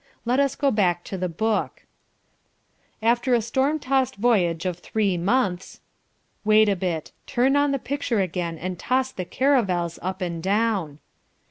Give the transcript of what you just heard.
Let us go back to the book "After a storm tossed voyage of three months..." Wait a bit. Turn on the picture again and toss the caravels up and down.